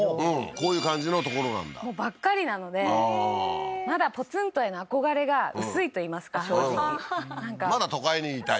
こういう感じの所なんだもうばっかりなのでああーまだポツンとへの憧れが薄いといいますか正直まだ都会にいたい？